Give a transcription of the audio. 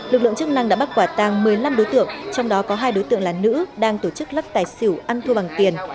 lực lượng chức năng đã bắt quả tàng một mươi năm đối tượng trong đó có hai đối tượng là nữ đang tổ chức lắc tài xỉu ăn thua bằng tiền